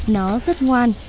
nó rất ngoan